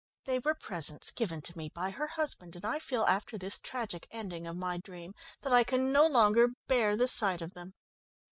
"They were presents given to me by her husband, and I feel after this tragic ending of my dream that I can no longer bear the sight of them."